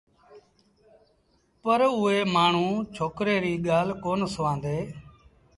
پر اُئي مآڻهوٚٚݩ ڇوڪري ريٚ ڳآل ڪونا سُوآݩدي